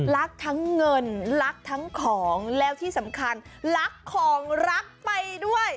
รักทั้งเงินรักทั้งของแล้วที่สำคัญรักของรักไปด้วย